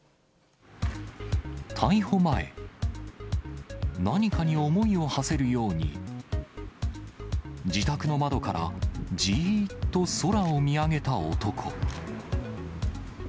逮捕前、何かに思いをはせるように、自宅の窓からじーっと空を見上げた男。